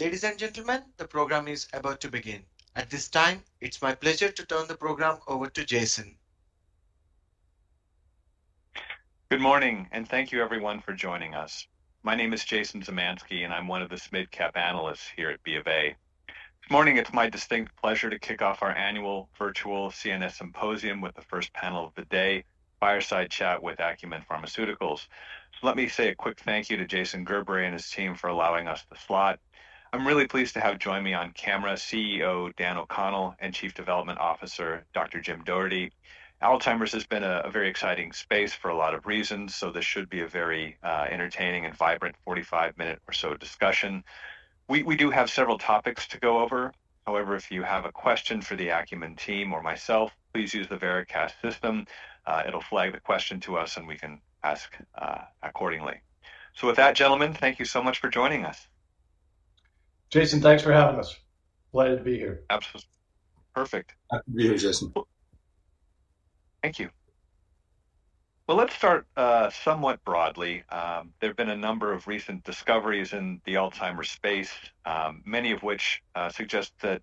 Ladies and gentlemen, the program is about to begin. At this time, it's my pleasure to turn the program over to Jason. Good morning, and thank you everyone for joining us. My name is Jason Zemansky, and I'm one of the mid-cap analysts here at BofA. This morning, it's my distinct pleasure to kick off our annual Virtual CNS Symposium with the first panel of the day, fireside chat with Acumen Pharmaceuticals. So let me say a quick thank you to Jason Gerberry and his team for allowing us the slot. I'm really pleased to have join me on camera, CEO Dan O'Connell and Chief Development Officer Dr. Jim Doherty. Alzheimer's has been a very exciting space for a lot of reasons, so this should be a very entertaining and vibrant 45-minute or so discussion. We do have several topics to go over. However, if you have a question for the Acumen team or myself, please use the Veracast system. It'll flag the question to us, and we can ask accordingly. So with that, gentlemen, thank you so much for joining us. Jason, thanks for having us. Pleased to be here. Absolutely. Perfect. Happy to be here, Jason. Thank you. Well, let's start somewhat broadly. There have been a number of recent discoveries in the Alzheimer's space, many of which suggest that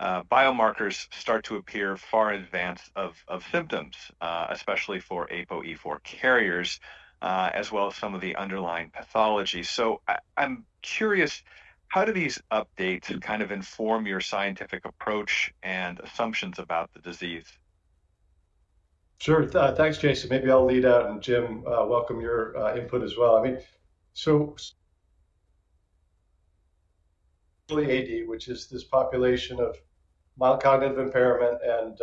biomarkers start to appear far in advance of symptoms, especially for ApoE4 carriers, as well as some of the underlying pathology. So I'm curious, how do these updates kind of inform your scientific approach and assumptions about the disease? Sure. Thanks, Jason. Maybe I'll lead out, and Jim, welcome your input as well. I mean, so AD, which is this population of mild cognitive impairment and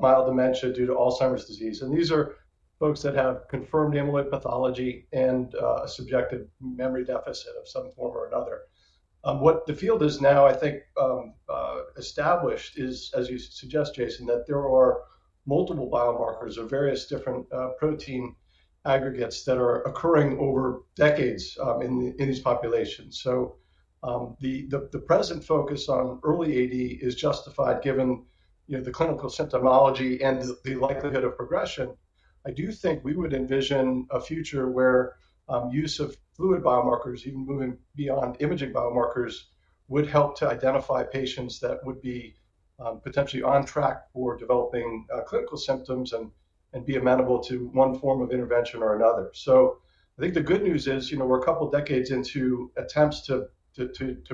mild dementia due to Alzheimer's disease, and these are folks that have confirmed amyloid pathology and subjective memory deficit of some form or another. What the field has now, I think, established is, as you suggest, Jason, that there are multiple biomarkers or various different protein aggregates that are occurring over decades in these populations. The present focus on early AD is justified, given, you know, the clinical symptomology and the likelihood of progression. I do think we would envision a future where use of fluid biomarkers, even moving beyond imaging biomarkers, would help to identify patients that would be potentially on track for developing clinical symptoms and be amenable to one form of intervention or another. So I think the good news is, you know, we're a couple decades into attempts to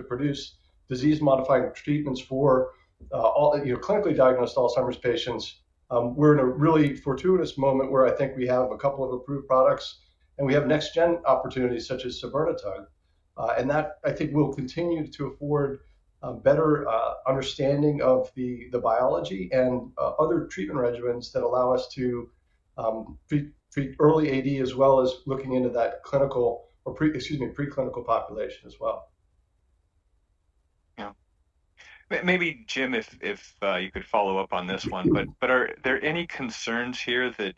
produce disease-modifying treatments for all, you know, clinically diagnosed Alzheimer's patients. We're in a really fortuitous moment where I think we have a couple of approved products, and we have next-gen opportunities, such as sabirnetug, and that, I think, will continue to afford a better understanding of the biology and other treatment regimens that allow us to treat early AD, as well as looking into that clinical or preclinical population as well. Yeah. Maybe, Jim, if you could follow up on this one. But are there any concerns here that,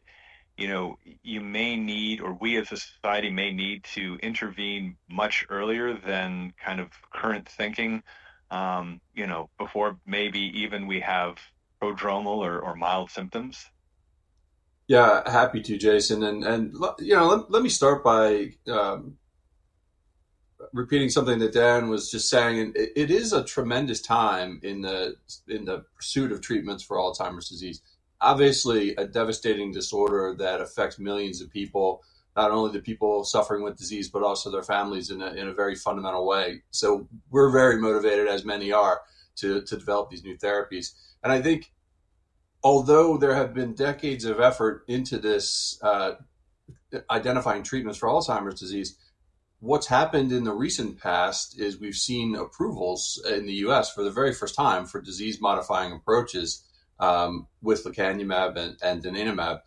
you know, you may need or we as a society may need to intervene much earlier than kind of current thinking, you know, before maybe even we have prodromal or mild symptoms? Yeah, happy to, Jason. And you know, let me start by repeating something that Dan was just saying, and it is a tremendous time in the pursuit of treatments for Alzheimer's disease. Obviously, a devastating disorder that affects millions of people, not only the people suffering with disease, but also their families in a very fundamental way. So we're very motivated, as many are, to develop these new therapies. And I think although there have been decades of effort into this, identifying treatments for Alzheimer's disease, what's happened in the recent past is we've seen approvals in the U.S. for the very first time for disease-modifying approaches, with lecanemab and donanemab,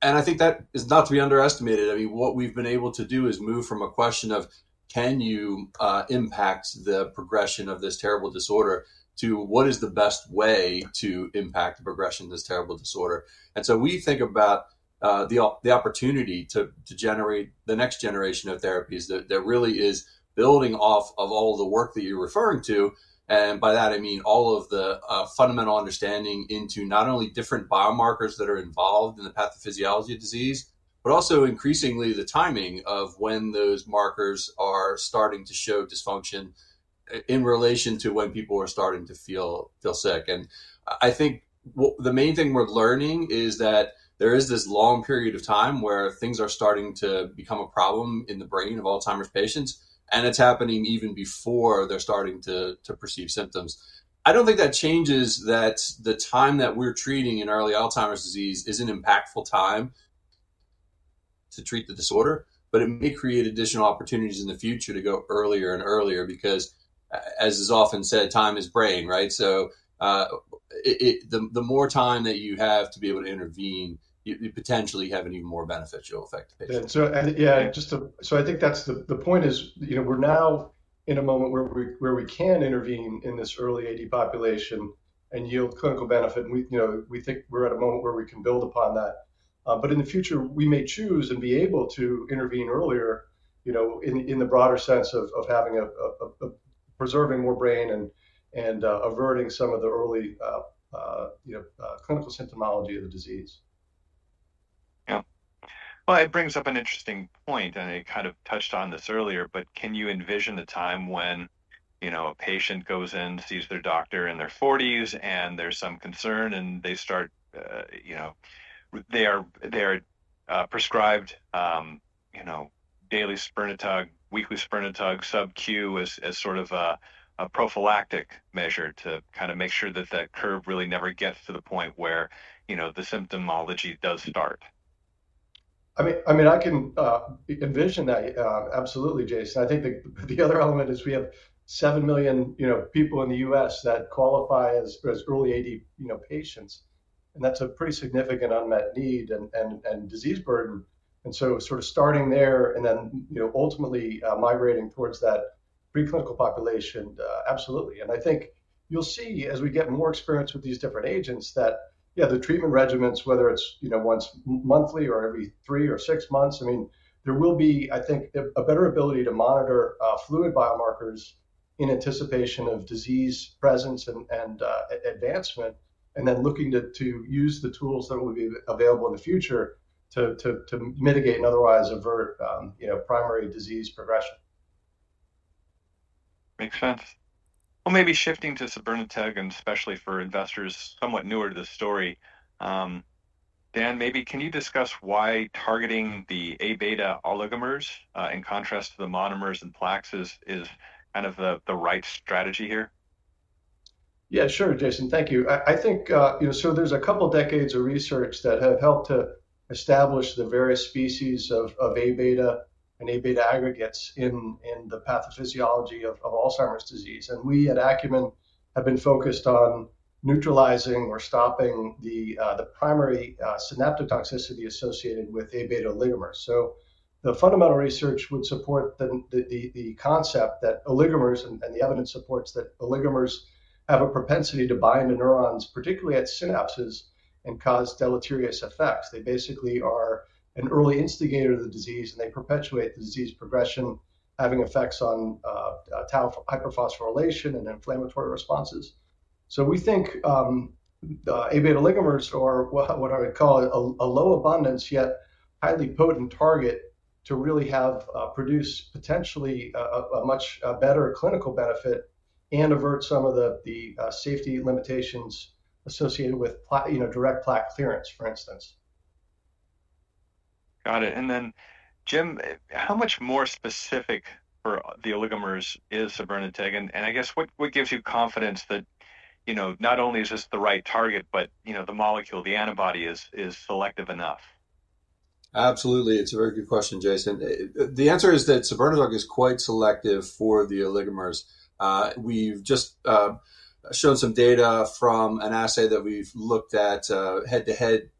and I think that is not to be underestimated. I mean, what we've been able to do is move from a question of: Can you impact the progression of this terrible disorder to what is the best way to impact the progression of this terrible disorder? And so we think about the opportunity to generate the next generation of therapies that really is building off of all the work that you're referring to, and by that, I mean all of the fundamental understanding into not only different biomarkers that are involved in the pathophysiology of disease, but also increasingly, the timing of when those markers are starting to show dysfunction in relation to when people are starting to feel sick. And I think the main thing we're learning is that there is this long period of time where things are starting to become a problem in the brain of Alzheimer's patients, and it's happening even before they're starting to perceive symptoms. I don't think that changes that the time that we're treating in early Alzheimer's disease is an impactful time to treat the disorder, but it may create additional opportunities in the future to go earlier and earlier because, as is often said, time is brain, right? So, the more time that you have to be able to intervene, you potentially have an even more beneficial effect on patients. I think that's the point is, you know, we're now in a moment where we can intervene in this early AD population and yield clinical benefit, and we, you know, we think we're at a moment where we can build upon that. But in the future, we may choose and be able to intervene earlier, you know, in the broader sense of having a preserving more brain and averting some of the early, you know, clinical symptomatology of the disease. ... Well, it brings up an interesting point, and I kind of touched on this earlier, but can you envision a time when, you know, a patient goes in, sees their doctor in their forties, and there's some concern, and they start, you know, they are prescribed, you know, daily sabirnetug, weekly sabirnetug, sub-Q, as sort of a prophylactic measure to kind of make sure that that curve really never gets to the point where, you know, the symptomology does start? I mean, I can envision that, absolutely, Jason. I think the other element is we have seven million, you know, people in the U.S. that qualify as early AD, you know, patients, and that's a pretty significant unmet need and disease burden. So sort of starting there and then, you know, ultimately, migrating towards that preclinical population, absolutely. I think you'll see, as we get more experience with these different agents, that, yeah, the treatment regimens, whether it's, you know, once monthly or every three or six months, I mean, there will be, I think, a better ability to monitor fluid biomarkers in anticipation of disease presence and advancement, and then looking to mitigate and otherwise avert, you know, primary disease progression. Makes sense. Well, maybe shifting to sabirnetug, and especially for investors somewhat newer to the story, Dan, maybe can you discuss why targeting the Aβ oligomers, in contrast to the monomers and plaques, is kind of the right strategy here? Yeah, sure, Jason. Thank you. I think, you know, so there's a couple decades of research that have helped to establish the various species of Aβ and Aβ aggregates in the pathophysiology of Alzheimer's disease. And we at Acumen have been focused on neutralizing or stopping the primary synaptic toxicity associated with Aβ oligomers. So the fundamental research would support the concept that oligomers and the evidence supports that oligomers have a propensity to bind to neurons, particularly at synapses, and cause deleterious effects. They basically are an early instigator of the disease, and they perpetuate the disease progression, having effects on tau hyperphosphorylation and inflammatory responses. So we think the Aβ oligomers are what I would call a low abundance yet highly potent target to really have produce potentially a much better clinical benefit and avert some of the safety limitations associated with plaque, you know, direct plaque clearance, for instance. Got it. And then, Jim, how much more specific for the oligomers is sabirnetug? And I guess, what gives you confidence that, you know, not only is this the right target, but, you know, the molecule, the antibody is selective enough? Absolutely. It's a very good question, Jason. The answer is that sabirnetug is quite selective for the oligomers. We've just shown some data from an assay that we've looked at, head-to-head,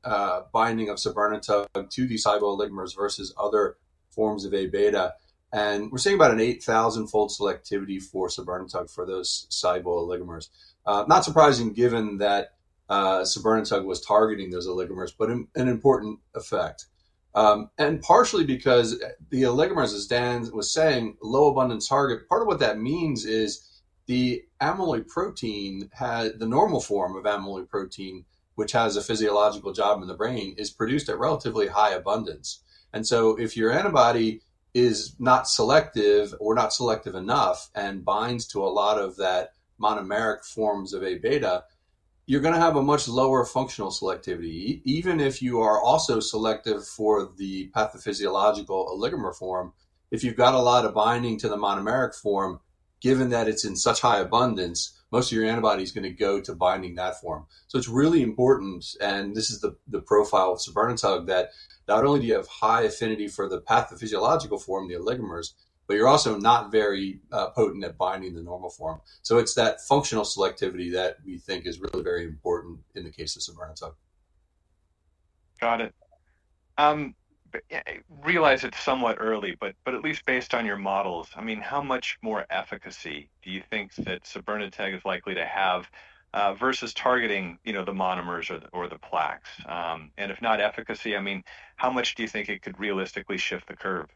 binding of sabirnetug to these Aβ oligomers versus other forms of Aβ. And we're seeing about an 8,000-fold selectivity for sabirnetug for those [cybo] oligomers. Not surprising given that, sabirnetug was targeting those oligomers, but an important effect. And partially because, the oligomers, as Dan was saying, low abundance target, part of what that means is the amyloid protein had... The normal form of amyloid protein, which has a physiological job in the brain, is produced at relatively high abundance. And so if your antibody is not selective or not selective enough and binds to a lot of that monomeric forms of Aβ, you're gonna have a much lower functional selectivity. Even if you are also selective for the pathophysiological oligomer form, if you've got a lot of binding to the monomeric form, given that it's in such high abundance, most of your antibody is gonna go to binding that form. So it's really important, and this is the profile of sabirnetug, that not only do you have high affinity for the pathophysiological form, the oligomers, but you're also not very potent at binding the normal form. So it's that functional selectivity that we think is really very important in the case of sabirnetug. Got it. Yeah, I realize it's somewhat early, but at least based on your models, I mean, how much more efficacy do you think that sabirnetug is likely to have versus targeting, you know, the monomers or the plaques? And if not efficacy, I mean, how much do you think it could realistically shift the curve?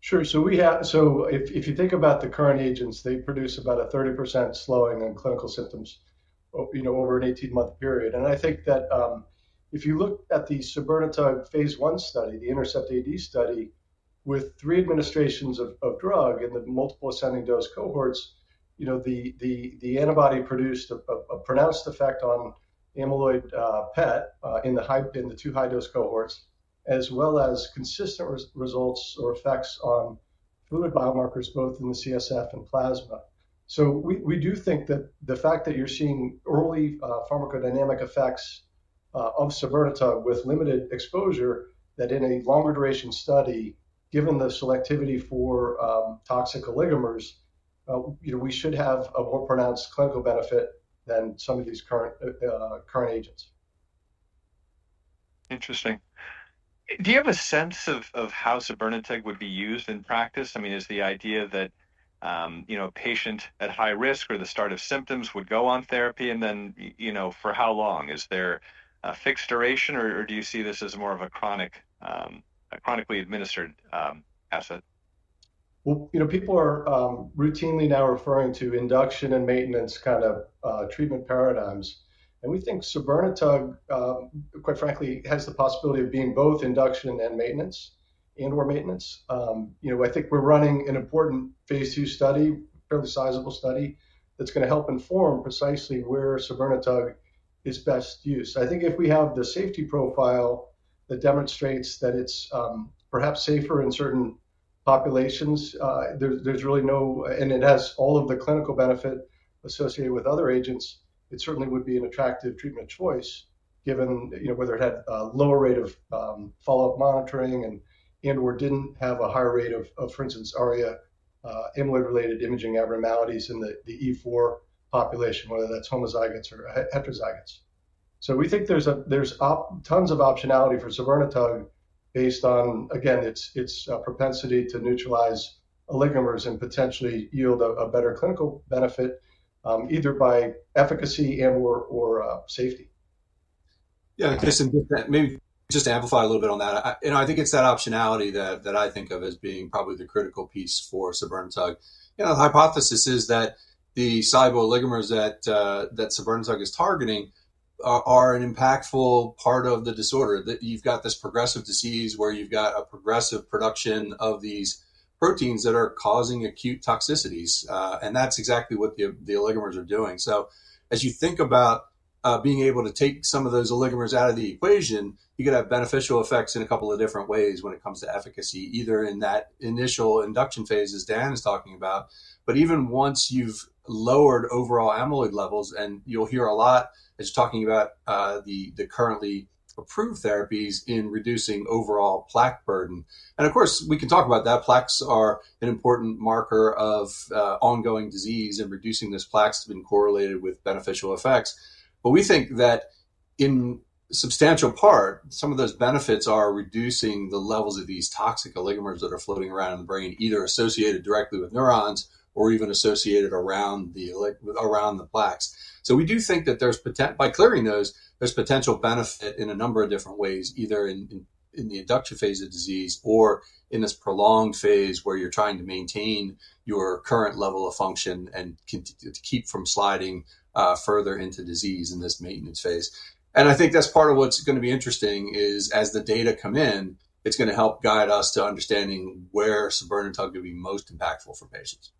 Sure. So if you think about the current agents, they produce about a 30% slowing in clinical symptoms you know, over an eighteen-month period. And I think that, if you look at the sabirnetug phase I study, the INTERCEPT-AD study, with three administrations of drug in the multiple ascending dose cohorts, you know, the antibody produced a pronounced effect on amyloid PET in the two high-dose cohorts, as well as consistent results or effects on fluid biomarkers, both in the CSF and plasma. So we do think that the fact that you're seeing early pharmacodynamic effects of sabirnetug with limited exposure, that in a longer duration study, given the selectivity for toxic oligomers, you know, we should have a more pronounced clinical benefit than some of these current agents. Interesting. Do you have a sense of how sabirnetug would be used in practice? I mean, is the idea that, you know, a patient at high risk or the start of symptoms would go on therapy, and then, you know, for how long? Is there a fixed duration, or, or do you see this as more of a chronic, a chronically administered, asset?... Well, you know, people are routinely now referring to induction and maintenance kind of treatment paradigms, and we think sabirnetug quite frankly has the possibility of being both induction and maintenance, and/or maintenance. You know, I think we're running an important phase II study, fairly sizable study, that's gonna help inform precisely where sabirnetug is best used. I think if we have the safety profile that demonstrates that it's perhaps safer in certain populations, there's really no... and it has all of the clinical benefit associated with other agents, it certainly would be an attractive treatment choice, given, you know, whether it had a lower rate of follow-up monitoring and/or didn't have a higher rate of, for instance, ARIA, amyloid-related imaging abnormalities in the E4 population, whether that's homozygotes or heterozygotes. So we think there's tons of optionality for sabirnetug based on, again, its propensity to neutralize oligomers and potentially yield a better clinical benefit, either by efficacy and/or safety. Yeah, Jason, maybe just to amplify a little bit on that. I, you know, I think it's that optionality that, that I think of as being probably the critical piece for sabirnetug. You know, the hypothesis is that the soluble oligomers that, that sabirnetug is targeting are, are an impactful part of the disorder. That you've got this progressive disease where you've got a progressive production of these proteins that are causing acute toxicities, and that's exactly what the, the oligomers are doing. As you think about being able to take some of those oligomers out of the equation, you could have beneficial effects in a couple of different ways when it comes to efficacy, either in that initial induction phase, as Dan is talking about, but even once you've lowered overall amyloid levels, and you'll hear a lot. It's talking about the currently approved therapies in reducing overall plaque burden. Of course, we can talk about that plaques are an important marker of ongoing disease, and reducing those plaques has been correlated with beneficial effects. We think that in substantial part, some of those benefits are reducing the levels of these toxic oligomers that are floating around in the brain, either associated directly with neurons or even associated around the plaques. We do think that there's potent... By clearing those, there's potential benefit in a number of different ways, either in the induction phase of disease or in this prolonged phase, where you're trying to maintain your current level of function and to keep from sliding further into disease in this maintenance phase. I think that's part of what's gonna be interesting is, as the data come in, it's gonna help guide us to understanding where sabirnetug could be most impactful for patients.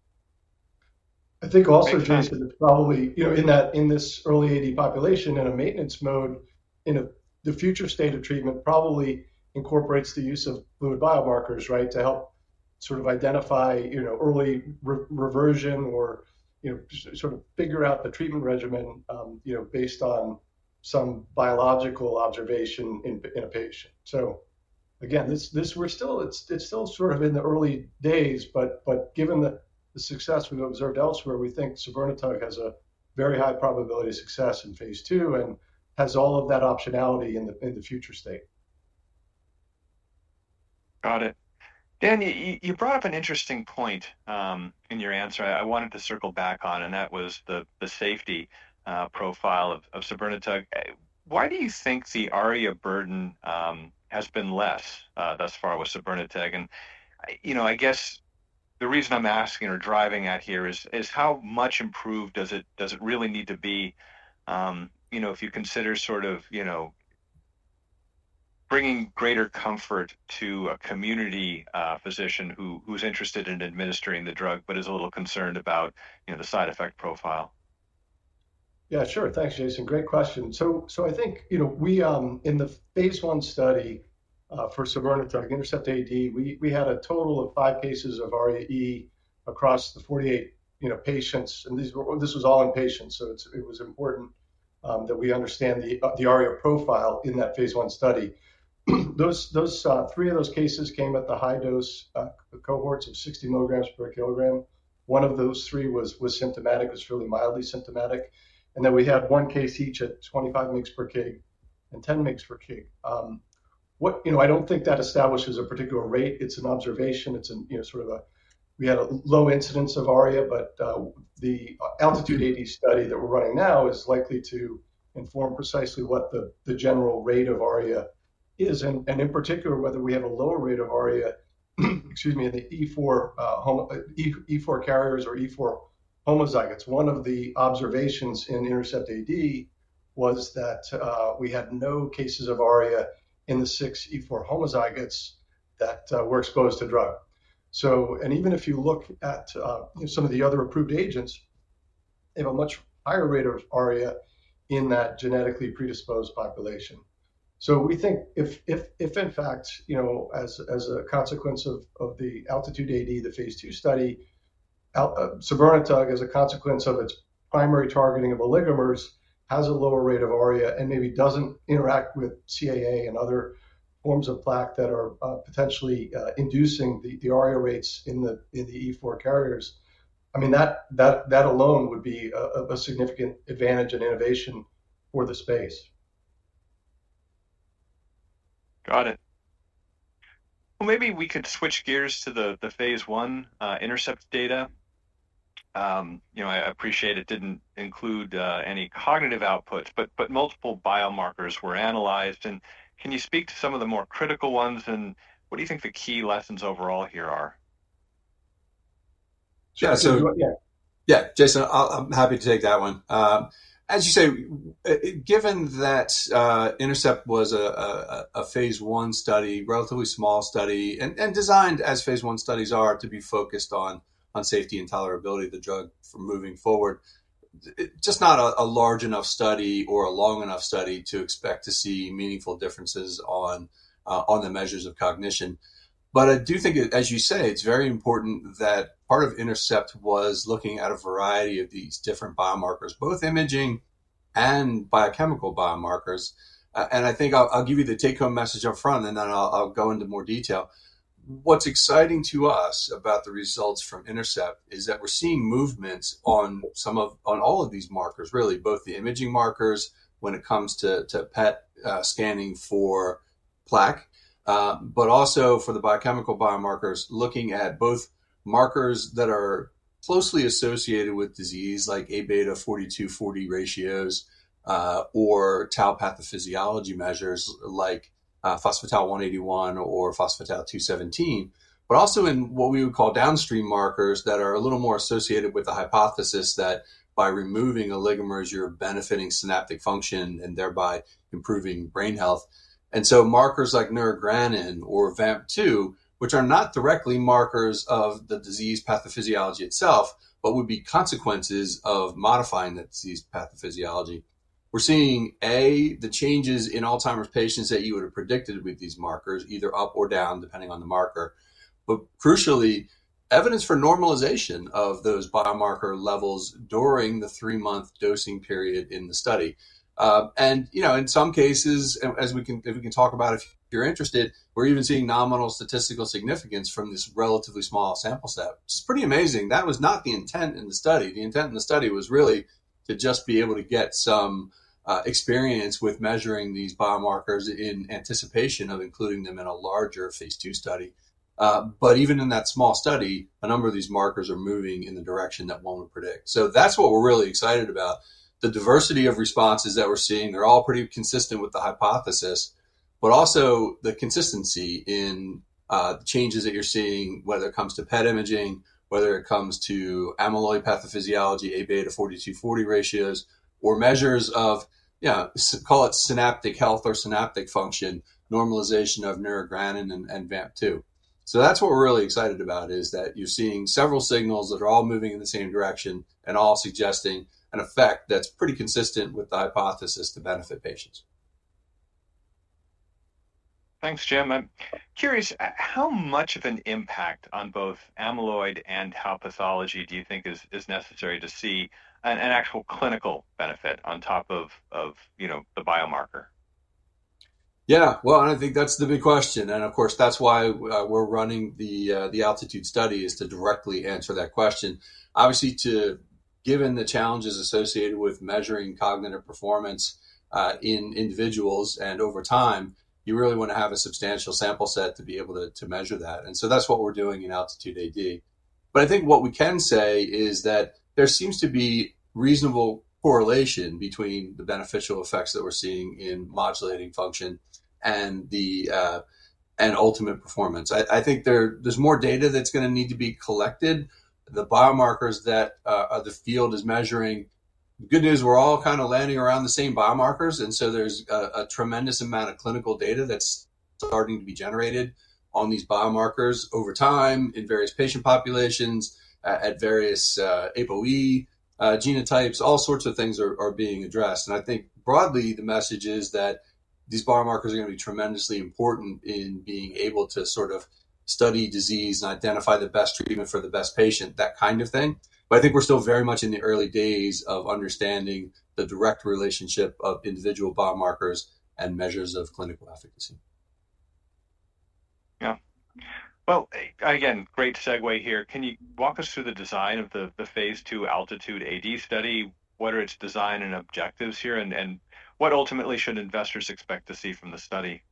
I think also, Jason, it's probably, you know, in that in this early AD population, in a maintenance mode, in the future state of treatment probably incorporates the use of fluid biomarkers, right? To help sort of identify, you know, early reversion or, you know, sort of figure out the treatment regimen, you know, based on some biological observation in a patient. So again, this. We're still, it's still sort of in the early days, but given the success we've observed elsewhere, we think sabirnetug has a very high probability of success in phase II and has all of that optionality in the future state. Got it. Dan, you brought up an interesting point in your answer I wanted to circle back on, and that was the safety profile of sabirnetug. Why do you think the ARIA burden has been less thus far with sabirnetug? And, you know, I guess the reason I'm asking or driving at here is how much improved does it really need to be, you know, if you consider sort of, you know, bringing greater comfort to a community physician who's interested in administering the drug but is a little concerned about, you know, the side effect profile? Yeah, sure. Thanks, Jason. Great question. So I think, you know, we. In the phase I study for sabirnetug, INTERCEPT-AD, we had a total of five cases of ARIA-E across the 48, you know, patients, and these were all in patients, so it was important that we understand the ARIA profile in that phase I study. Three of those cases came at the high dose cohorts of 60 milligrams per kilogram. One of those three was symptomatic, really mildly symptomatic, and then we had one case each at 25 mg per kg and 10 mg per kg. You know, I don't think that establishes a particular rate. It's an observation. It's an, you know, sort of we had a low incidence of ARIA, but the ALTITUDE-AD study that we're running now is likely to inform precisely what the general rate of ARIA is, and in particular, whether we have a lower rate of ARIA, excuse me, in the E4 carriers or E4 homozygotes. One of the observations in INTERCEPT-AD was that we had no cases of ARIA in the six E4 homozygotes that were exposed to drug. So and even if you look at some of the other approved agents, they have a much higher rate of ARIA in that genetically predisposed population. So we think if in fact, you know, as a consequence of the ALTITUDE-AD, the phase II study, sabirnetug, as a consequence of its primary targeting of oligomers, has a lower rate of ARIA and maybe doesn't interact with CAA and other forms of plaque that are potentially inducing the ARIA rates in the E4 carriers, I mean, that alone would be a significant advantage and innovation for the space. Got it. Well, maybe we could switch gears to the phase I INTERCEPT-AD data. You know, I appreciate it didn't include any cognitive outputs, but multiple biomarkers were analyzed, and can you speak to some of the more critical ones, and what do you think the key lessons overall here are? Yeah, so- Do you want...? Yeah. Yeah, Jason, I'm happy to take that one. As you say, given that INTERCEPT was a phase I study, relatively small study, and designed as phase I studies are to be focused on safety and tolerability of the drug for moving forward, just not a large enough study or a long enough study to expect to see meaningful differences on the measures of cognition. But I do think that, as you say, it's very important that part of INTERCEPT was looking at a variety of these different biomarkers, both imaging and biochemical biomarkers. And I think I'll give you the take-home message up front, and then I'll go into more detail. What's exciting to us about the results from INTERCEPT is that we're seeing movements on some of... on all of these markers, really, both the imaging markers when it comes to PET scanning for plaque, but also for the biochemical biomarkers, looking at both markers that are closely associated with disease, like Aβ 42/40 ratios, or tau pathophysiology measures, like phospho tau181 or phospho tau217. But also in what we would call downstream markers that are a little more associated with the hypothesis that by removing oligomers, you're benefiting synaptic function and thereby improving brain health. And so markers like neurogranin or VAMP2, which are not directly markers of the disease pathophysiology itself, but would be consequences of modifying the disease pathophysiology. We're seeing the changes in Alzheimer's patients that you would've predicted with these markers, either up or down, depending on the marker. But crucially, evidence for normalization of those biomarker levels during the three-month dosing period in the study. And you know, in some cases, and as we can talk about if you're interested, we're even seeing nominal statistical significance from this relatively small sample set, which is pretty amazing. That was not the intent in the study. The intent in the study was really to just be able to get some experience with measuring these biomarkers in anticipation of including them in a larger phase II study. But even in that small study, a number of these markers are moving in the direction that one would predict. So that's what we're really excited about. The diversity of responses that we're seeing, they're all pretty consistent with the hypothesis, but also the consistency in the changes that you're seeing, whether it comes to PET imaging, whether it comes to amyloid pathophysiology, Aβ 42/40 ratios, or measures of, yeah, so-called synaptic health or synaptic function, normalization of neurogranin and VAMP2. So that's what we're really excited about, is that you're seeing several signals that are all moving in the same direction and all suggesting an effect that's pretty consistent with the hypothesis to benefit patients. Thanks, Jim. I'm curious how much of an impact on both amyloid and tau pathology do you think is necessary to see an actual clinical benefit on top of you know, the biomarker? Yeah. Well, and I think that's the big question, and of course, that's why we're running the ALTITUDE study, is to directly answer that question. Obviously, given the challenges associated with measuring cognitive performance in individuals and over time, you really want to have a substantial sample set to be able to measure that, and so that's what we're doing in ALTITUDE-AD. But I think what we can say is that there seems to be reasonable correlation between the beneficial effects that we're seeing in modulating function and the ultimate performance. I think there's more data that's gonna need to be collected. The biomarkers that the field is measuring, the good news, we're all kind of landing around the same biomarkers, and so there's a tremendous amount of clinical data that's starting to be generated on these biomarkers over time, in various patient populations, at various APOE genotypes. All sorts of things are being addressed, and I think broadly, the message is that these biomarkers are gonna be tremendously important in being able to sort of study disease and identify the best treatment for the best patient, that kind of thing, but I think we're still very much in the early days of understanding the direct relationship of individual biomarkers and measures of clinical efficacy. Yeah. Well, again, great segue here. Can you walk us through the design of the phase II ALTITUDE-AD study? What are its design and objectives here, and what ultimately should investors expect to see from the study?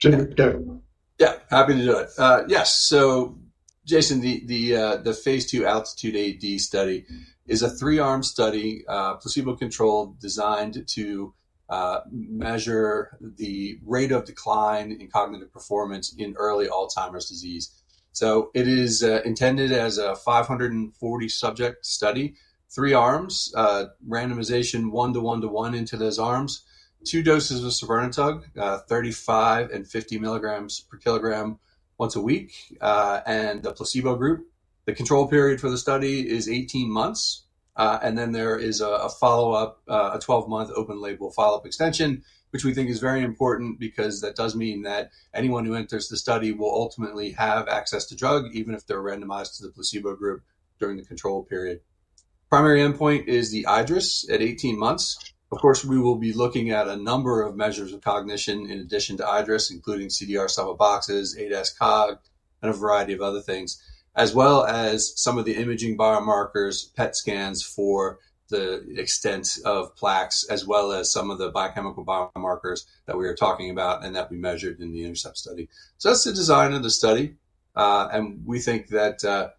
Jim, go. Yeah, happy to do it. Yes. So Jason, the phase II ALTITUDE-AD study is a three-arm study, placebo-controlled, designed to measure the rate of decline in cognitive performance in early Alzheimer's disease. So it is intended as a 540-subject study, three arms, randomization, one-to-one-to-one into those arms. Two doses of sabirnetug, 35 mg and 50 mg per kilogram once a week, and a placebo group. The control period for the study is 18 months, and then there is a follow-up, a 12-month open-label follow-up extension, which we think is very important because that does mean that anyone who enters the study will ultimately have access to drug, even if they're randomized to the placebo group during the control period. Primary endpoint is the iADRS at 18 months. Of course, we will be looking at a number of measures of cognition in addition to iADRS, including CDR Sum of Boxes, ADAS-Cog, and a variety of other things, as well as some of the imaging biomarkers, PET scans for the extent of plaques, as well as some of the biochemical biomarkers that we were talking about and that we measured in the INTERCEPT-AD study. So that's the design of the study, and we think that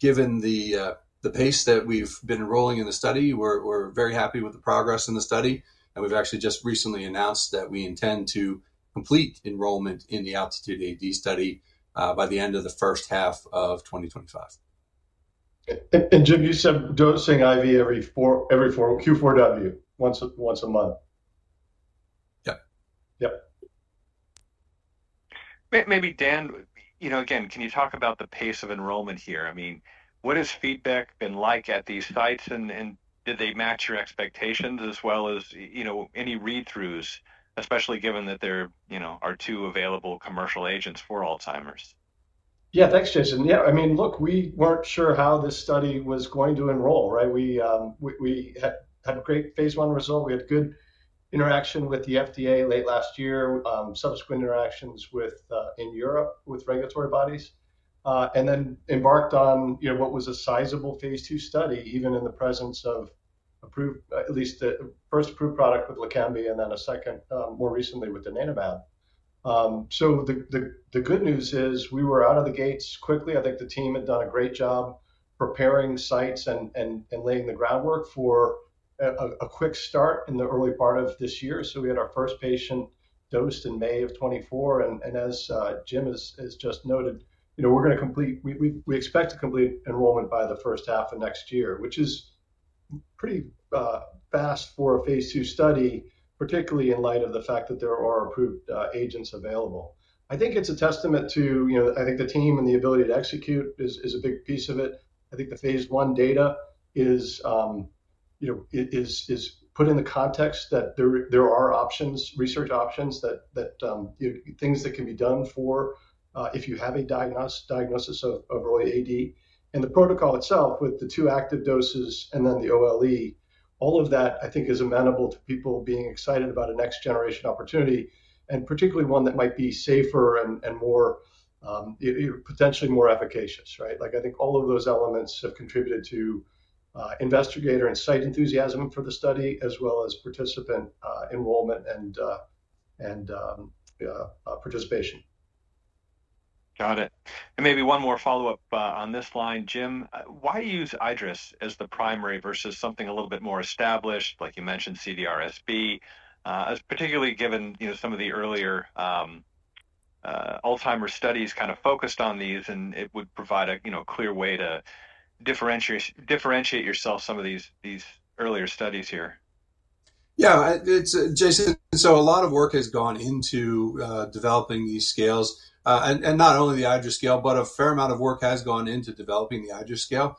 given the pace that we've been enrolling in the study, we're very happy with the progress in the study, and we've actually just recently announced that we intend to complete enrollment in the ALTITUDE-AD study by the end of the first half of 2025. Jim, you said dosing IV every four Q4W, once a month? Yeah. Yep. Maybe Dan, you know, again, can you talk about the pace of enrollment here? I mean, what has feedback been like at these sites, and did they match your expectations as well as, you know, any read-throughs, especially given that there, you know, are two available commercial agents for Alzheimer's? Yeah, thanks, Jason. Yeah, I mean, look, we weren't sure how this study was going to enroll, right? We had a great phase I result. We had good interaction with the FDA late last year, subsequent interactions in Europe with regulatory bodies. And then embarked on, you know, what was a sizable phase II study, even in the presence of approved - at least the first approved product with LEQEMBI, and then a second, more recently with donanemab. So the good news is we were out of the gates quickly. I think the team had done a great job preparing sites and laying the groundwork for a quick start in the early part of this year. We had our first patient dosed in May of 2024, and as Jim has just noted, you know, we're gonna complete. We expect to complete enrollment by the first half of next year, which is pretty fast for a phase II study, particularly in light of the fact that there are approved agents available. I think it's a testament to, you know, I think the team and the ability to execute is a big piece of it. I think the phase I data is, you know, it is put in the context that there are options, research options that things that can be done for if you have a diagnosis of early AD. And the protocol itself, with the two active doses and then the OLE, all of that, I think, is amenable to people being excited about a next-generation opportunity, and particularly one that might be safer and more, potentially more efficacious, right? Like, I think all of those elements have contributed to investigator and site enthusiasm for the study, as well as participant and participation. Got it. And maybe one more follow-up on this line. Jim, why use iADRS as the primary versus something a little bit more established, like you mentioned, CDR-SB? As particularly given, you know, some of the earlier Alzheimer's studies kind of focused on these, and it would provide a, you know, clear way to differentiate yourself some of these earlier studies here. Yeah, it's Jason, so a lot of work has gone into developing these scales. And not only the iADRS scale, but a fair amount of work has gone into developing the iADRS scale.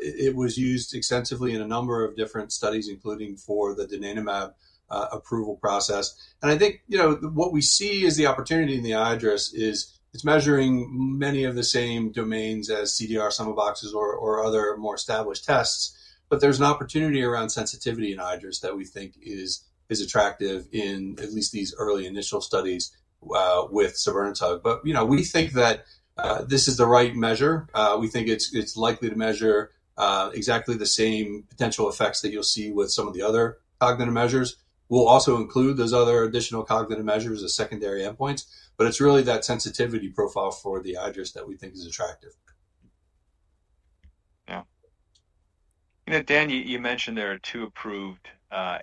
It was used extensively in a number of different studies, including for the donanemab approval process. And I think, you know, what we see as the opportunity in the iADRS is it's measuring many of the same domains as CDR sum of boxes or other more established tests, but there's an opportunity around sensitivity in iADRS that we think is attractive in at least these early initial studies with sabirnetug. But, you know, we think that this is the right measure. We think it's likely to measure exactly the same potential effects that you'll see with some of the other cognitive measures. We'll also include those other additional cognitive measures as secondary endpoints, but it's really that sensitivity profile for the iADRS that we think is attractive. Yeah. You know, Dan, you mentioned there are two approved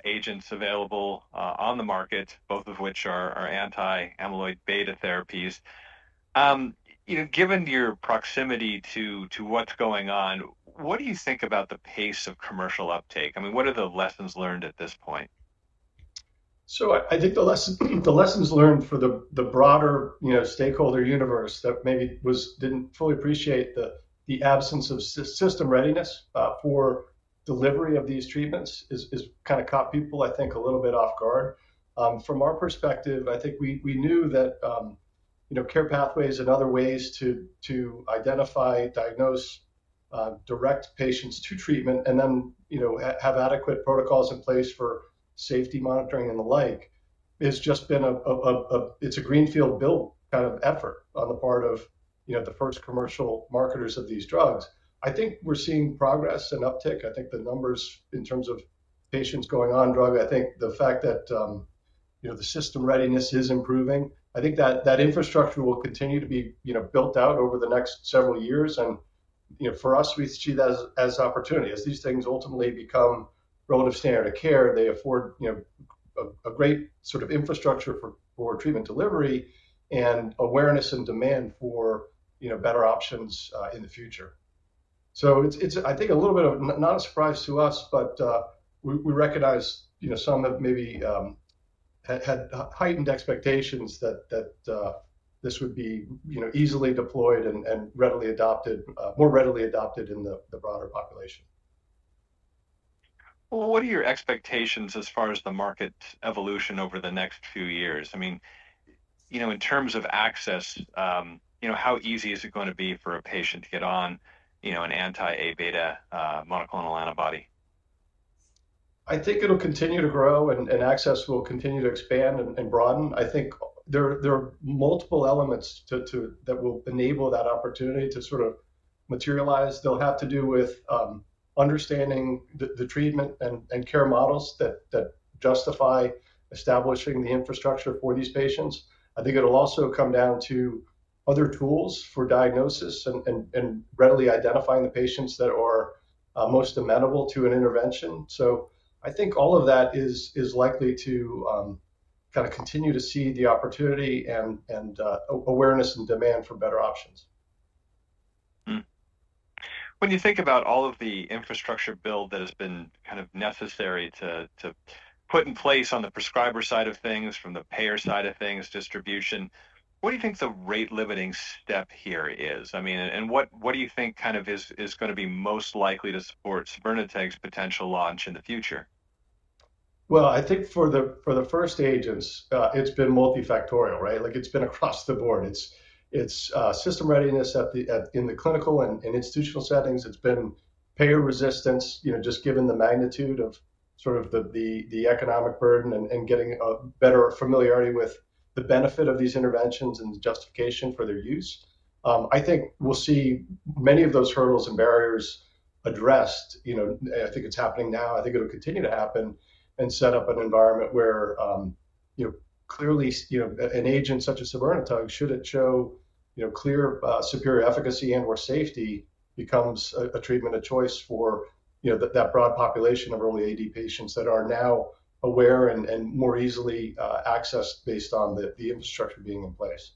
agents available on the market, both of which are anti-amyloid beta therapies. You know, given your proximity to what's going on, what do you think about the pace of commercial uptake? I mean, what are the lessons learned at this point? So I think the lessons learned for the broader, you know, stakeholder universe that maybe didn't fully appreciate the absence of system readiness for delivery of these treatments is kind of caught people, I think, a little bit off guard. From our perspective, I think we knew that, you know, care pathways and other ways to identify, diagnose, direct patients to treatment, and then, you know, have adequate protocols in place for safety monitoring and the like has just been a greenfield build kind of effort on the part of, you know, the first commercial marketers of these drugs. I think we're seeing progress and uptick. I think the numbers in terms of patients going on drug. I think the fact that, you know, the system readiness is improving. I think that that infrastructure will continue to be, you know, built out over the next several years. And, you know, for us, we see that as opportunity. As these things ultimately become relative standard of care, they afford, you know, a great sort of infrastructure for treatment delivery and awareness and demand for, you know, better options in the future. So it's, I think, a little bit of... not a surprise to us, but we recognize, you know, some have maybe had heightened expectations that this would be, you know, easily deployed and readily adopted more readily adopted in the broader population. What are your expectations as far as the market evolution over the next few years? I mean, you know, in terms of access, you know, how easy is it gonna be for a patient to get on, you know, an anti-Aβ monoclonal antibody? I think it'll continue to grow, and access will continue to expand and broaden. I think there are multiple elements to that will enable that opportunity to sort of materialize. They'll have to do with understanding the treatment and care models that justify establishing the infrastructure for these patients. I think it'll also come down to other tools for diagnosis and readily identifying the patients that are most amenable to an intervention. So I think all of that is likely to kind of continue to see the opportunity and awareness and demand for better options. When you think about all of the infrastructure build that has been kind of necessary to put in place on the prescriber side of things, from the payer side of things, distribution, what do you think the rate-limiting step here is? I mean, and what do you think kind of is going to be most likely to support sabirnetug's potential launch in the future? I think for the first agents, it's been multifactorial, right? Like, it's been across the board. It's system readiness in the clinical and in institutional settings. It's been payer resistance, you know, just given the magnitude of the economic burden and getting a better familiarity with the benefit of these interventions and the justification for their use. I think we'll see many of those hurdles and barriers addressed. You know, I think it's happening now. I think it'll continue to happen and set up an environment where, you know, clearly, you know, an agent such as sabirnetug, should it show, you know, clear superior efficacy and/or safety, becomes a treatment of choice for, you know, that broad population of early AD patients that are now aware and more easily accessed based on the infrastructure being in place.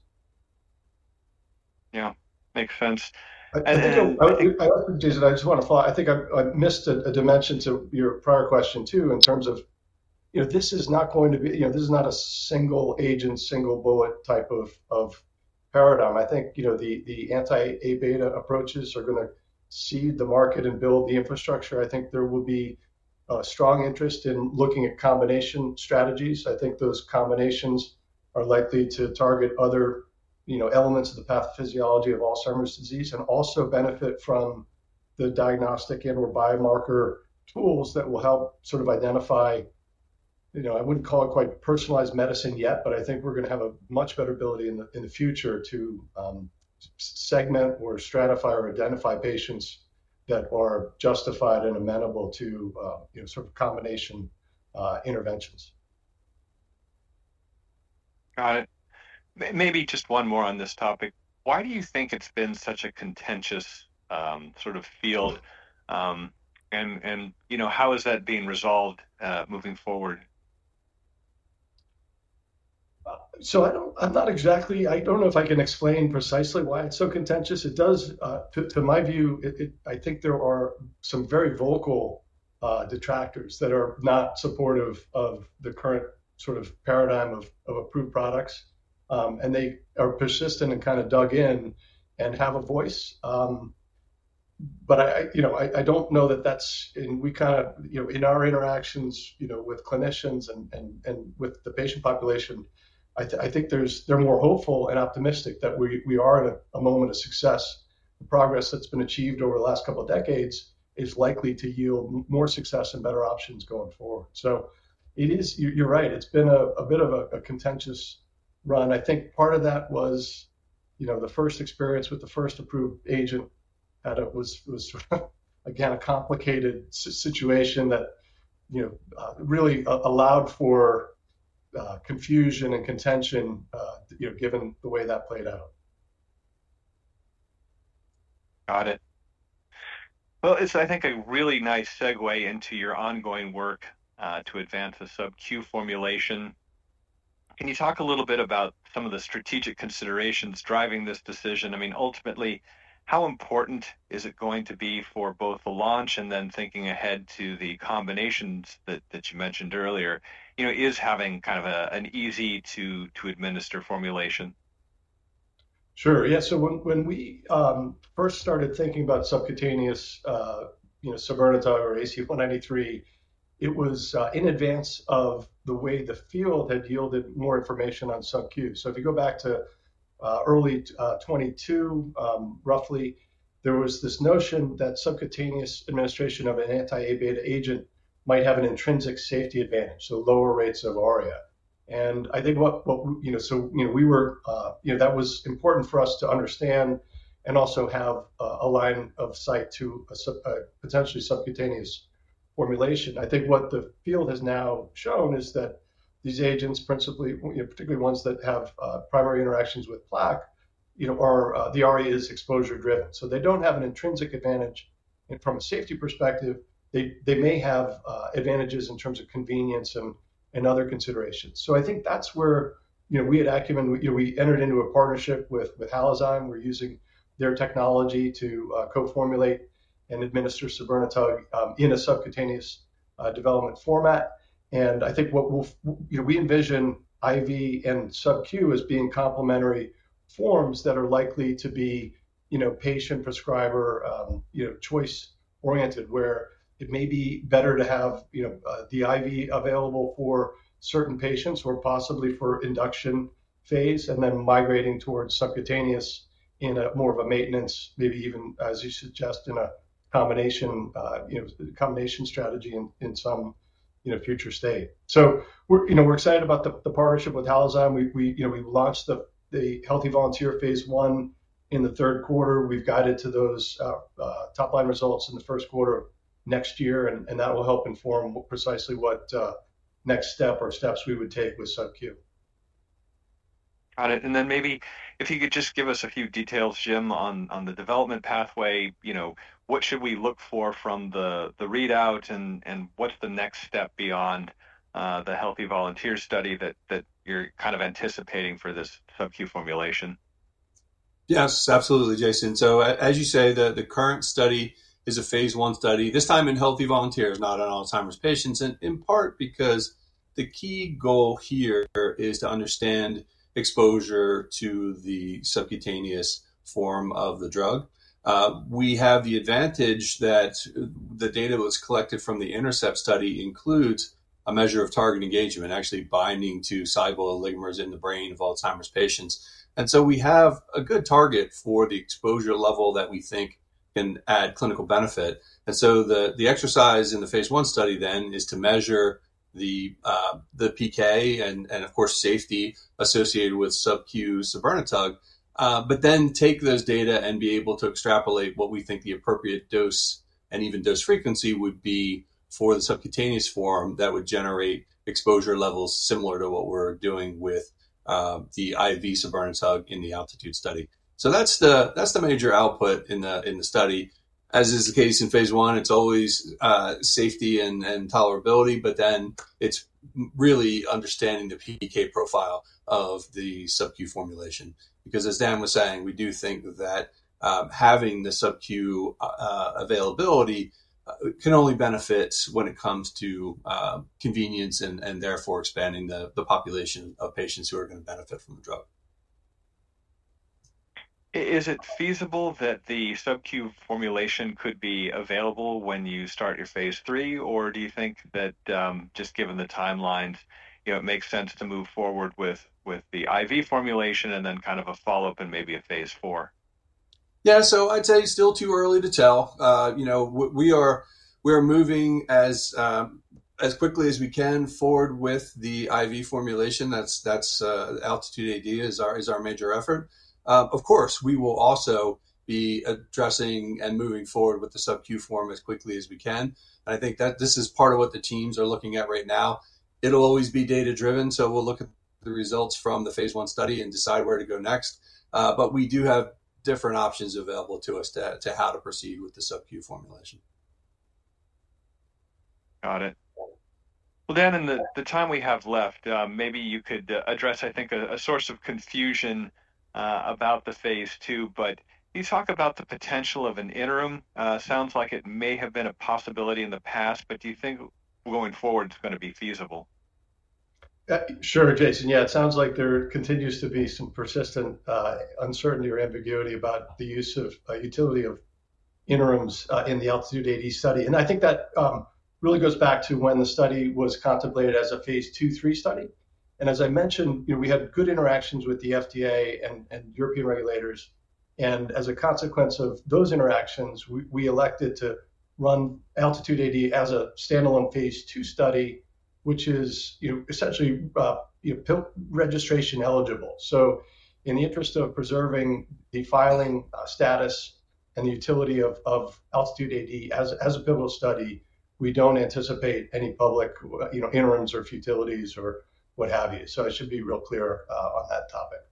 Yeah. Makes sense. And then- I think, Jason, I just want to follow. I think I missed a dimension to your prior question, too, in terms of, you know, this is not going to be, you know, this is not a single agent, single bullet type of paradigm. I think, you know, the anti-Aβ approaches are going to seed the market and build the infrastructure. I think there will be a strong interest in looking at combination strategies. I think those combinations are likely to target other, you know, elements of the pathophysiology of Alzheimer's disease, and also benefit from the diagnostic and/or biomarker tools that will help sort of identify, you know, I wouldn't call it quite personalized medicine yet, but I think we're going to have a much better ability in the future to segment or stratify or identify patients that are justified and amenable to, you know, sort of combination interventions. Got it. Maybe just one more on this topic. Why do you think it's been such a contentious, sort of field? And you know, how is that being resolved, moving forward? I don't know if I can explain precisely why it's so contentious. It does, to my view, I think there are some very vocal detractors that are not supportive of the current sort of paradigm of approved products. They are persistent and kind of dug in and have a voice, but you know, I don't know that that's, and we kind of, you know, in our interactions, you know, with clinicians and with the patient population, I think they're more hopeful and optimistic that we are at a moment of success. The progress that's been achieved over the last couple of decades is likely to yield more success and better options going forward, so it is. You're right, it's been a bit of a contentious run. I think part of that was, you know, the first experience with the first approved agent, that it was again a complicated situation that, you know, really allowed for confusion and contention, you know, given the way that played out. Got it. Well, it's, I think, a really nice segue into your ongoing work to advance the sub-Q formulation. Can you talk a little bit about some of the strategic considerations driving this decision? I mean, ultimately, how important is it going to be for both the launch and then thinking ahead to the combinations that you mentioned earlier, you know, is having kind of an easy to administer formulation? Sure. Yeah. So when we first started thinking about subcutaneous, you know, sabirnetug or ACU193, it was in advance of the way the field had yielded more information on sub-Q. So if you go back to early 2022, roughly, there was this notion that subcutaneous administration of an anti-Aβ agent might have an intrinsic safety advantage, so lower rates of ARIA. And I think what you know. So, you know, we were you know, that was important for us to understand and also have a line of sight to a potentially subcutaneous formulation. I think what the field has now shown is that these agents, principally, you know, particularly ones that have primary interactions with plaque, you know, are the ARIA is exposure driven, so they don't have an intrinsic advantage. And from a safety perspective, they may have advantages in terms of convenience and other considerations. So I think that's where, you know, we at Acumen entered into a partnership with Halozyme. We're using their technology to co-formulate and administer sabirnetug in a subcutaneous development format. And I think what we'll... You know, we envision IV and sub-Q as being complementary forms that are likely to be, you know, patient-prescriber, you know, choice-oriented, where it may be better to have, you know, the IV available for certain patients or possibly for induction phase, and then migrating towards subcutaneous in a more of a maintenance, maybe even, as you suggest, in a combination, you know, combination strategy in some, you know, future state. So we're, you know, excited about the partnership with Halozyme. We, you know, we've launched the healthy volunteer phase I in the third quarter. We've guided to those top-line results in the first quarter of next year, and that will help inform precisely what next step or steps we would take with sub-Q. ... Got it. And then maybe if you could just give us a few details, Jim, on the development pathway. You know, what should we look for from the readout and what's the next step beyond the healthy volunteer study that you're kind of anticipating for this sub-Q formulation? Yes, absolutely, Jason. So as you say, the current study is a phase I study, this time in healthy volunteers, not in Alzheimer's patients, and in part because the key goal here is to understand exposure to the subcutaneous form of the drug. We have the advantage that the data that was collected from the INTERCEPT study includes a measure of target engagement, actually binding to [cybo] oligomers in the brain of Alzheimer's patients. And so we have a good target for the exposure level that we think can add clinical benefit. And so the exercise in the phase I study then is to measure the PK and, of course, safety associated with sub-Q sabirnetug. But then take those data and be able to extrapolate what we think the appropriate dose and even dose frequency would be for the subcutaneous form that would generate exposure levels similar to what we're doing with the IV sabirnetug in the ALTITUDE study. So that's the major output in the study. As is the case in phase I, it's always safety and tolerability, but then it's really understanding the PK profile of the sub-Q formulation. Because as Dan was saying, we do think that having the sub-Q availability can only benefit when it comes to convenience and therefore expanding the population of patients who are gonna benefit from the drug. Is it feasible that the sub-Q formulation could be available when you start your phase III, or do you think that, just given the timelines, you know, it makes sense to move forward with the IV formulation and then kind of a follow-up and maybe a phase IV? Yeah. So I'd say it's still too early to tell. You know, we're moving as quickly as we can forward with the IV formulation. That's ALTITUDE-AD is our major effort. Of course, we will also be addressing and moving forward with the sub-Q form as quickly as we can. I think that this is part of what the teams are looking at right now. It'll always be data-driven, so we'll look at the results from the phase I study and decide where to go next. But we do have different options available to us to how to proceed with the sub-Q formulation. Got it. Well, Dan, in the time we have left, maybe you could address, I think, a source of confusion about the Phase II. But can you talk about the potential of an interim? Sounds like it may have been a possibility in the past, but do you think going forward it's gonna be feasible? Sure, Jason. Yeah, it sounds like there continues to be some persistent uncertainty or ambiguity about the utility of interims in the ALTITUDE AD study. And I think that really goes back to when the study was contemplated as a phase II, III study. And as I mentioned, you know, we had good interactions with the FDA and European regulators, and as a consequence of those interactions, we elected to run ALTITUDE AD as a standalone phase II study, which is, you know, essentially, you know, BLA registration eligible. So in the interest of preserving the filing status and the utility of ALTITUDE AD as a pivotal study, we don't anticipate any public, you know, interims or utilities or what have you. So I should be real clear on that topic.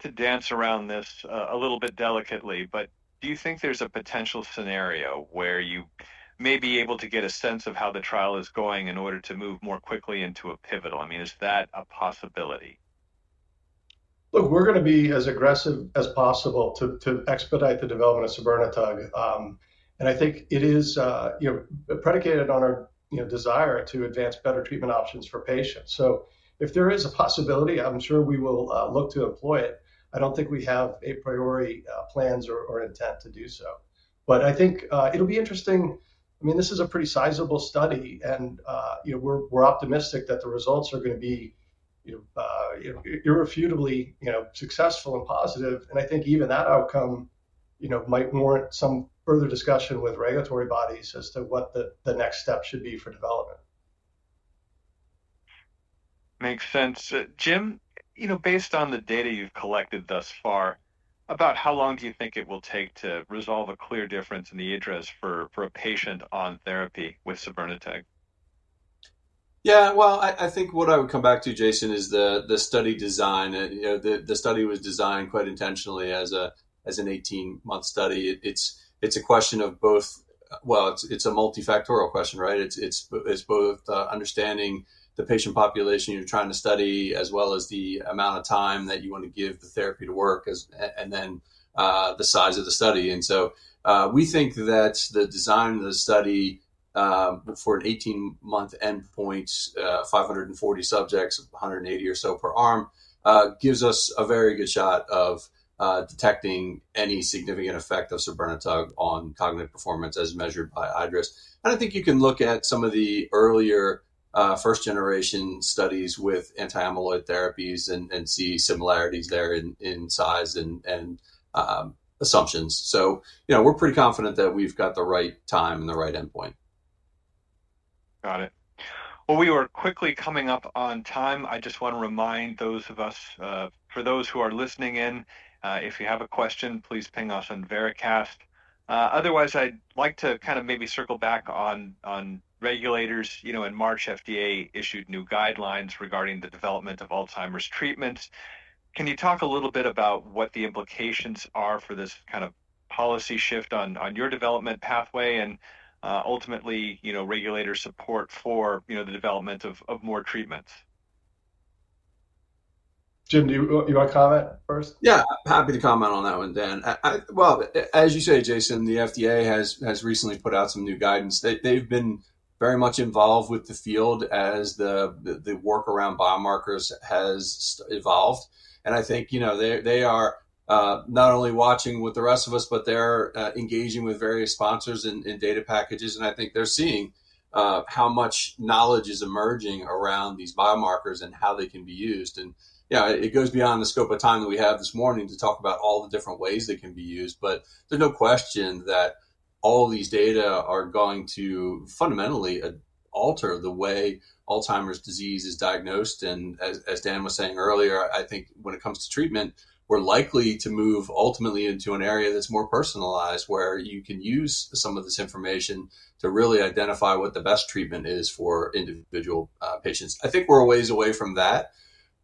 To dance around this a little bit delicately, but do you think there's a potential scenario where you may be able to get a sense of how the trial is going in order to move more quickly into a pivotal? I mean, is that a possibility? Look, we're gonna be as aggressive as possible to expedite the development of sabirnetug, and I think it is, you know, predicated on our, you know, desire to advance better treatment options for patients, so if there is a possibility, I'm sure we will look to employ it. I don't think we have a priority plans or intent to do so, but I think it'll be interesting. I mean, this is a pretty sizable study, and, you know, we're optimistic that the results are gonna be, you know, irrefutably, you know, successful and positive, and I think even that outcome, you know, might warrant some further discussion with regulatory bodies as to what the next step should be for development. Makes sense. Jim, you know, based on the data you've collected thus far, about how long do you think it will take to resolve a clear difference in the iADRS for a patient on therapy with sabirnetug? Yeah, well, I think what I would come back to, Jason, is the study design. You know, the study was designed quite intentionally as an eighteen-month study. It's a question of both. Well, it's a multifactorial question, right? It's both understanding the patient population you're trying to study, as well as the amount of time that you want to give the therapy to work, and then the size of the study. And so, we think that the design of the study for an 18-month endpoint, 540 subjects, 180 or so per arm, gives us a very good shot of detecting any significant effect of sabirnetug on cognitive performance as measured by iADRS. I think you can look at some of the earlier first-generation studies with anti-amyloid therapies and see similarities there in size and assumptions. You know, we're pretty confident that we've got the right time and the right endpoint.... Got it. Well, we are quickly coming up on time. I just wanna remind those of us, for those who are listening in, if you have a question, please ping us on Veracast. Otherwise, I'd like to kind of maybe circle back on, on regulators. You know, in March, FDA issued new guidelines regarding the development of Alzheimer's treatments. Can you talk a little bit about what the implications are for this kind of policy shift on, on your development pathway and, ultimately, you know, regulator support for, you know, the development of, of more treatments? Jim, do you wanna comment first? Yeah, happy to comment on that one, Dan. Well, as you say, Jason, the FDA has recently put out some new guidance. They, they've been very much involved with the field as the work around biomarkers has evolved, and I think, you know, they are not only watching with the rest of us, but they're engaging with various sponsors and data packages, and I think they're seeing how much knowledge is emerging around these biomarkers and how they can be used. Yeah, it goes beyond the scope of time that we have this morning to talk about all the different ways they can be used, but there's no question that all these data are going to fundamentally alter the way Alzheimer's disease is diagnosed. And as Dan was saying earlier, I think when it comes to treatment, we're likely to move ultimately into an area that's more personalized, where you can use some of this information to really identify what the best treatment is for individual patients. I think we're a ways away from that,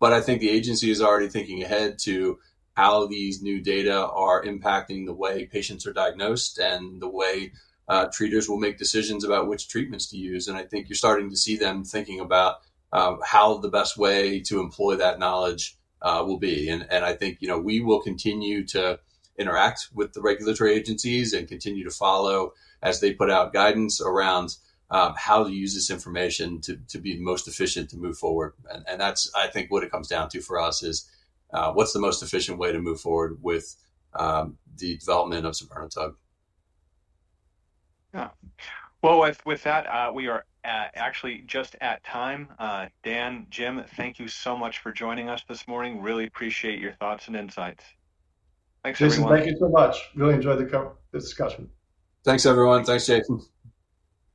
but I think the agency is already thinking ahead to how these new data are impacting the way patients are diagnosed and the way treaters will make decisions about which treatments to use. And I think you're starting to see them thinking about how the best way to employ that knowledge will be. And I think, you know, we will continue to interact with the regulatory agencies and continue to follow as they put out guidance around how to use this information to be most efficient to move forward. That's, I think, what it comes down to for us is what's the most efficient way to move forward with the development of sabirnetug? Yeah. Well, with that, we are at... actually just at time. Dan, Jim, thank you so much for joining us this morning. Really appreciate your thoughts and insights. Thanks, everyone. Jason, thank you so much. Really enjoyed the discussion. Thanks, everyone. Thanks, Jason.